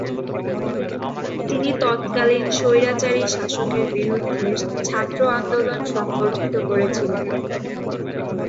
তিনি তৎকালীন স্বৈরাচারী শাসকের বিরুদ্ধে ছাত্র আন্দোলন সংগঠিত করেছিলেন।